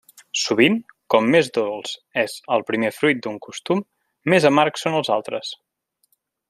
Sovint com més dolç és el primer fruit d'un costum més amargs són els altres.